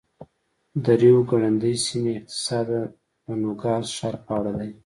د ریو ګرنډي سیمې اقتصاد د نوګالس ښار په اړه دی.